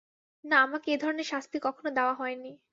না, আমাকে এ-ধরনের শাস্তি কখনো দেওয়া হয় নি।